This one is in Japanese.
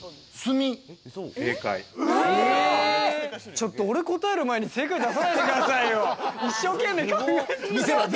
ちょっと、俺答える前に正解出さないでくださいよ。